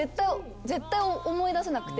絶対思い出せなくて。